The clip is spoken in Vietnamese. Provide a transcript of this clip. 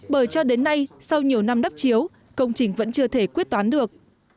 bởi cho đến nay sau nhiều năm đắp chiếu công trình vẫn chưa thể quyết toán được